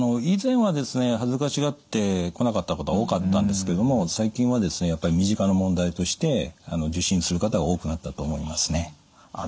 以前はですね恥ずかしがって来なかった方が多かったんですけれども最近はですねやっぱり身近な問題として受診する方が多くなったと思いますね。